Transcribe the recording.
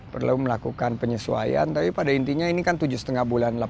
perlu melakukan penyesuaian tapi pada intinya ini kan tujuh lima bulan delapan bulan ke depan